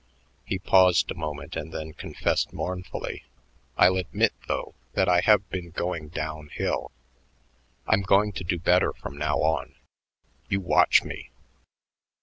He paused a moment and then confessed mournfully: "I'll admit, though, that I have been going downhill. I'm going to do better from now on. You watch me."